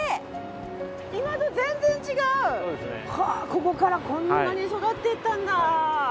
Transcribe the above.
ここからこんなに育っていったんだ。